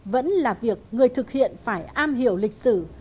vẫn là việc người thực hiện phải am hiểu lịch sử